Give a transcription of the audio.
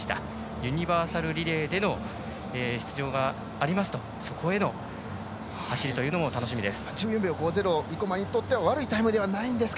ユニバーサルリレーでの出場はありますとそこでの走りというのも楽しみです。